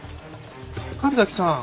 神崎さん。